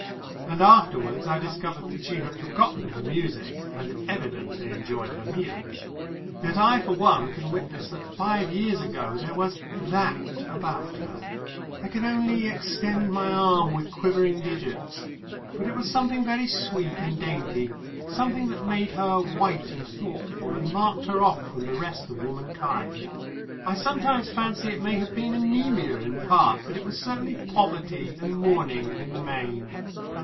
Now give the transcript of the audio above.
And afterwards I discovered that she had forgotten her music, and evidently enjoyed her meals. Yet I for one can witness that five years ago there was that about her I can only extend my arm with quivering digits. But it was something very sweet and dainty, something that made her white and thoughtful, and marked her off from the rest of womankind. I sometimes fancy it may have been anæmia in part, but it was certainly poverty and mourning in the main.